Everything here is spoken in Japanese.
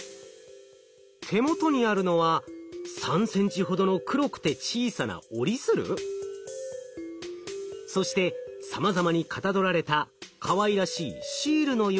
手元にあるのは３ｃｍほどの黒くて小さな折り鶴？そしてさまざまにかたどられたかわいらしいシールのようなもの。